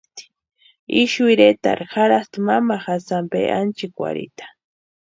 Ixu iretarhu jarhasti mamajasï ampe ánchikwarhita.